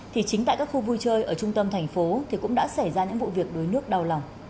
thì chính tại các khu vui chơi ở trung tâm thành phố thì cũng đã xảy ra những vụ việc đuối nước đau lòng